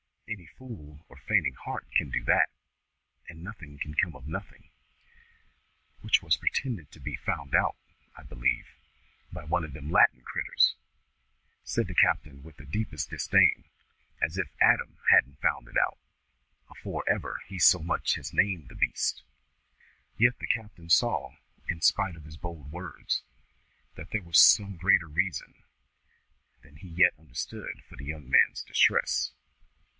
"Any fool or fainting heart can do that, and nothing can come of nothing, which was pretended to be found out, I believe, by one of them Latin critters," said the captain with the deepest disdain; "as if Adam hadn't found it out, afore ever he so much as named the beasts!" Yet the captain saw, in spite of his bold words, that there was some greater reason than he yet understood for the young man's distress.